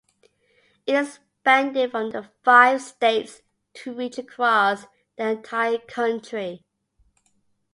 It expanded from the five states to reach across the entire country.